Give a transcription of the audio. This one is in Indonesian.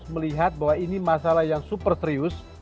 melihat bahwa ini masalah yang super serius